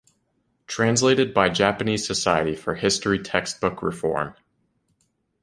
Translated by Japanese Society for History Textbook Reform.